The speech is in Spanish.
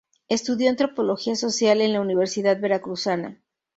Estudió Antropología social en la Universidad Veracruzana.